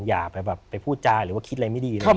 อย่าไปแบบไปพูดจ้าหรือว่าคิดอะไรไม่ดีอะไรอย่างเงี้ย